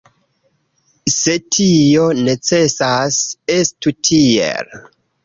Se tio necesas, estu tiel.